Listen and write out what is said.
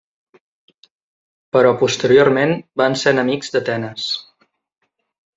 Però posteriorment van ser enemics d'Atenes.